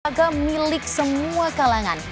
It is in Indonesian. agama milik semua kalangan